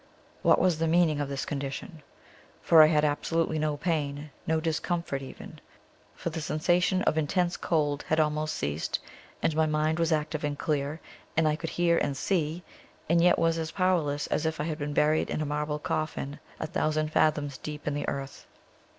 What was the meaning of this condition? for I had absolutely no pain, no discomfort even; for the sensation of intense cold had almost ceased, and my mind was active and clear, and I could hear and see, and yet was as powerless as if I had been buried in a marble coffin a thousand fathoms deep in earth.